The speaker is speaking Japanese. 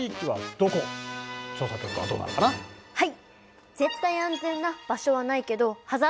はい。